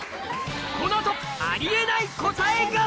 この後あり得ない答えが！